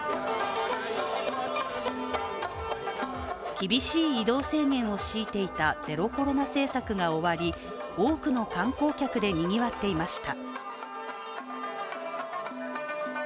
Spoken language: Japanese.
厳しい移動制限を強いていたゼロコロナ政策が終わり、多くの観光客でにぎわっていました。